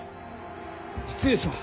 失礼します。